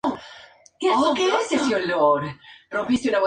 Allí fueron sometidos a toda clase de ultrajes por la muchedumbre.